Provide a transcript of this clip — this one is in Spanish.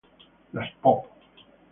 Las Pop!